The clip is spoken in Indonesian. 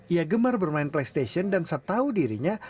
ia gemar bermain playstation dan setahu dirinya